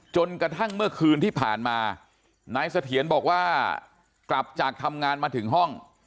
จนกระทั่งเมื่อคืนที่ผ่านมานายเสถียรบอกว่ากลับจากทำงานมาถึงห้อง